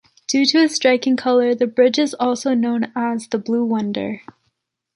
Due to its striking color, the bridge is also known as the “Blue Wonder”.